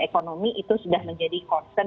ekonomi itu sudah menjadi concern